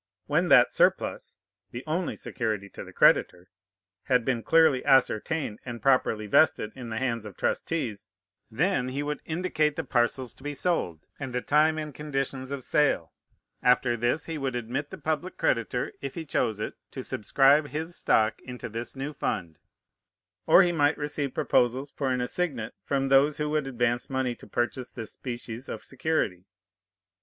When that surplus (the only security to the creditor) had been clearly ascertained, and properly vested in the hands of trustees, then he would indicate the parcels to be sold, and the time and conditions of sale; after this he would admit the public creditor, if he chose it, to subscribe his stock into this new fund, or he might receive proposals for an assignat from those who would advance money to purchase this species of security.